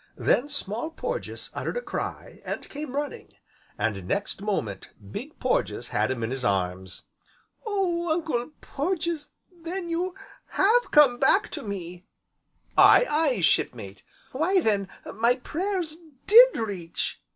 Then Small Porges uttered a cry, and came running, and next moment Big Porges had him in his arms. "Oh, Uncle Porges! then you have come back to me!" "Aye, aye, Shipmate." "Why, then my prayers did reach!"